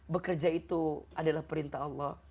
bekerja itu adalah perintah allah